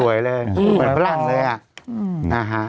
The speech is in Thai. สวยเลยขวัญพรรณเลยอ่ะ